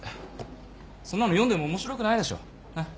そんなの読んでも面白くないでしょ？